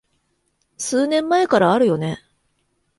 数年前からあるよね